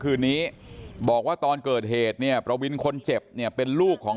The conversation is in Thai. คืนนี้บอกว่าตอนเกิดเหตุเนี่ยประวินคนเจ็บเนี่ยเป็นลูกของ